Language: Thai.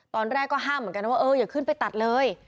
ตอนแรกก็ห้ามเหมือนกันนะว่าเอออย่าขึ้นไปตัดเลย